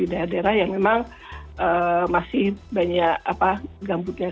kemudian juga panas yang tinggi juga kemudian nya dimana mana